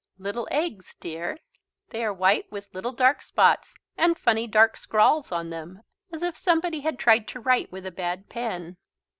"Little eggs, dear. They are white, with little dark spots and funny dark scrawls on them as if somebody had tried to write with a bad pen."